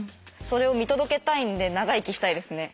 それを見届けたいんで長生きしたいですね。